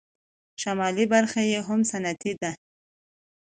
شمالي برخه یې هم صنعتي ده.